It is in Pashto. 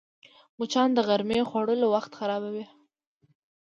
مچان د غرمې خوړلو وخت خرابوي